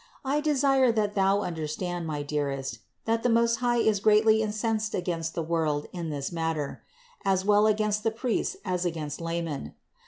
I desire that thou understand, my dearest, that the Most High is greatly incensed against the world in this matter: as well against the priests as against laymen.